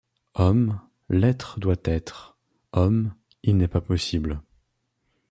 Homme, l’Etre doit être. Homme, il n’est pas possible